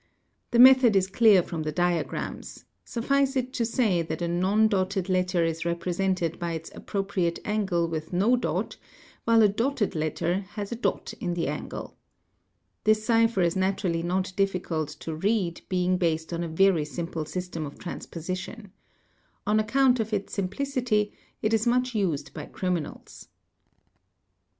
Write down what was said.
The method is clear from the diagrams; suffice it to say that a non dotted ~ letter is represented by its appropriate angle with no dot, while a dotted letter has a dot in the angle. This cipher is naturally not difficult to read being based on a very simple system of transposition. On account of its simplicity it is much used by criminals. : 'a hl. ms. ac. pr. fk. CO.